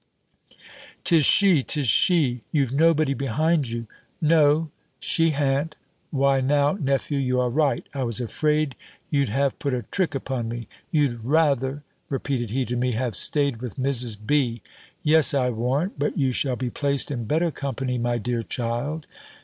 "'Tis she! 'tis she! You've nobody behind you! No, she han't Why now, nephew, you are right; I was afraid you'd have put a trick upon me. You'd rather," repeated he to me, "have staid with Mrs. B.! Yes, I warrant But you shall be placed in better company, my dear child."